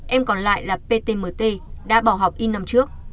em còn lại là ptmt đã bỏ học in năm trước